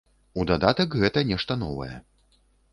У дадатак гэта нешта новае.